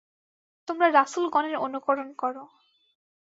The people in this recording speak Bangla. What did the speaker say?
তোমরা রাসূলগণের অনুকরণ কর!